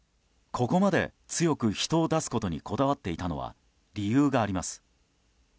ここまで強く、人を出すことにこだわっていたのは理由があります。